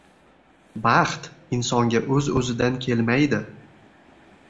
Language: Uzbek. Baxt insonga o’z-o’zidan kelmaydi.